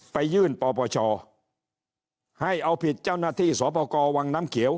ไปยื่นปปชให้เอาผิดเจ้าหน้าที่สปกรวังน้ำเขียว